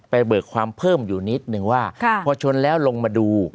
เบิกความเพิ่มอยู่นิดนึงว่าพอชนแล้วลงมาดู